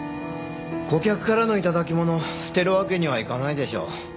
顧客からのいただきものを捨てるわけにはいかないでしょう。